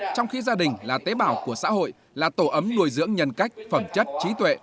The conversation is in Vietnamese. trong khi gia đình là tế bào của xã hội là tổ ấm nuôi dưỡng nhân cách phẩm chất trí tuệ